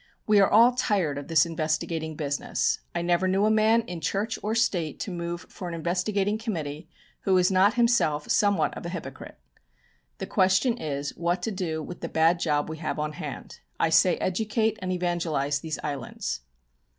We are all tired of this investigating business. I never knew a man in Church or State to move for an investigating committee who was not himself somewhat of a hypocrite. The question is what to do with the bad job we have on hand. I say, educate and evangelise those islands."